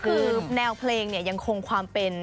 คือแนวเพลงเนี่ยยังคงความเป็น